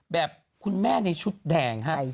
แบบคุณแม่ในชุดแดงฮะ